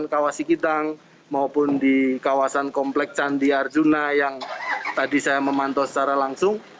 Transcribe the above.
kawasan kitang maupun di kawasan komplek candi arjuna yang tadi saya memantau secara langsung